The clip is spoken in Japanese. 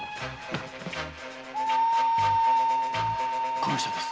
この下です。